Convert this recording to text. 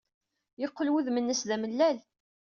Yeqqel wudem-nnes d amellal.